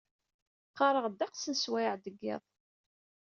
Qqareɣ ddeqs n swayeɛ deg iḍ.